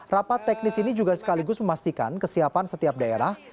rapat teknis ini juga sekaligus memastikan kesiapan setiap daerah